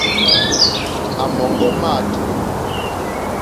À mɔ̀ŋɡɔ́ máàtù,.